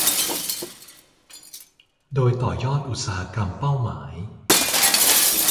โดยต่อยอดอุตสาหกรรมเป้าหมาย